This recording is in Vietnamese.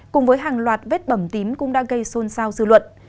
cùng với hàng loạt vết bẩm tím cũng đã gây xôn xao dư luận